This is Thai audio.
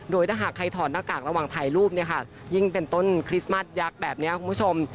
โดยถ้าหากใครถอดหน้ากากระหว่างถ่ายรูปเนี่ยค่ะยิ่งเป็นต้นคริสต์มัสยักษ์แบบนี้คุณผู้ชม